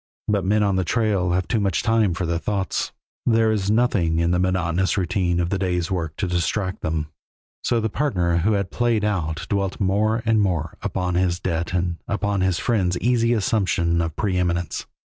But men on the trail have too much time for their thoughts; there is nothing in the monotonous routine of the day's work to distract them, so the partner who had played out dwelt more and more upon his debt and upon his friend's easy assumption of preëminence.